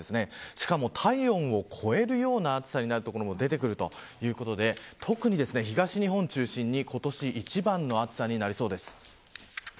しかも体温を超えるような暑さになる所も出てくるということで特に東日本を中心に今年一番の暑さになりそうです。